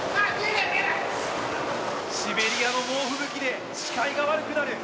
シベリアの猛吹雪で視界が悪くなる。